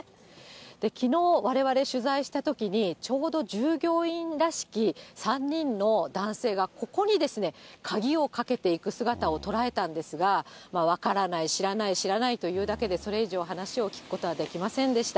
きのう、われわれ取材したときに、ちょうど従業員らしき３人の男性がここに鍵をかけていく姿を捉えたんですが、分からない、知らない、知らないと言うだけで、それ以上話を聞くことはできませんでした。